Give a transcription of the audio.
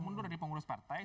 mundur dari pengurus partai